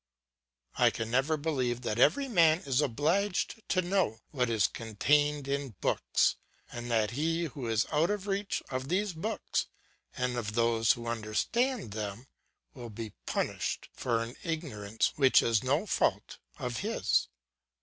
"I can never believe that every man is obliged to know what is contained in books, and that he who is out of reach of these books, and of those who understand them, will be punished for an ignorance which is no fault of his.